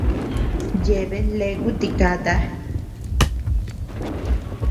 Yeabean leaku tikata.